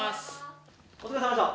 お疲れさまでした！